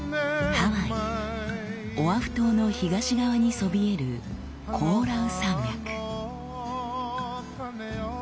ハワイオアフ島の東側にそびえるコオラウ山脈。